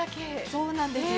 ◆そうなんです。